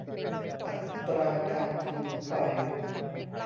อัตราการกินไฟ